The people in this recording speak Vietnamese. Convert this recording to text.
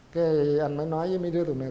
cái anh mới nói với mấy đứa tụi mình